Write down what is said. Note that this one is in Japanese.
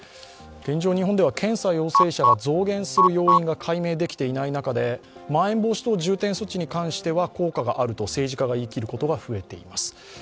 現状、日本では検査陽性者が増減する要因が解明できていない中でまん延防止等重点措置に関しては効果があると政治家が言い切ることが増えています。